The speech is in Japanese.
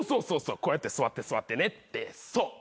こうやって座って座ってねってそっ！